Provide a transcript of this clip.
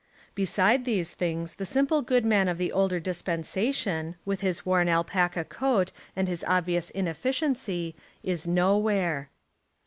Beside these things the simple Good Man of the older dispensa tion, with his worn alpaca coat and his obvious inefficiency, is nowhere.